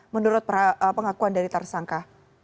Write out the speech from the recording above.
menurut pengakuan dari tersangka